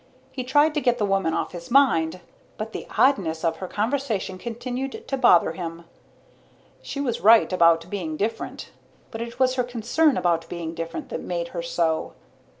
He tried to get the woman off his mind, but the oddness of her conversation continued to bother him. She was right about being different, but it was her concern about being different that made her so.